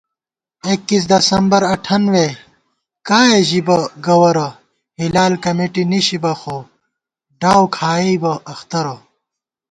اکیس دسمبر اٹھانوے کائے ژِبہ گوَرہ * ہِلال کمیٹی نِشِبہ خو ڈاؤ کھائیبہ اخترہ